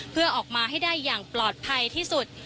เพื่อออกมาให้ได้อย่างปลอดภัยที่สุด